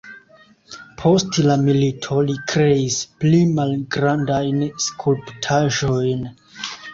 Post la milito li kreis pli malgrandajn skulptaĵojn.